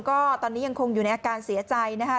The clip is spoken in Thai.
ก็ตอนนี้ยังคงอยู่ในอาการเสียใจนะคะ